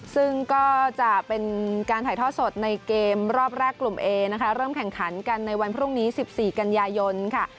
ซึ่งก็จะเป็นการถ่ายทอดสดในเกมรอบแรกกลุ่มเอนะคะเริ่มแข่งขันกันในวันพรุ่งนี้๑๔กันยายนค่ะ